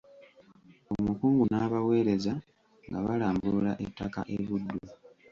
Omukungu n'abaweereza nga balambula ettaka e Buddu.